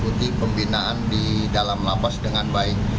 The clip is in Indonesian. mengikuti pembinaan di dalam lapas dengan baik